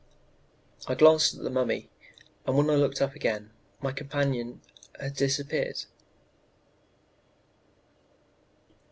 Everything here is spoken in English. I glanced at the mummy, and when I looked up again, my companion had disappeared.